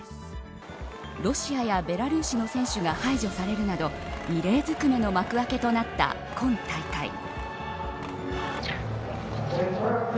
ロシアやベラルーシの選手が排除されるなど異例ずくめの幕開けとなった今大会。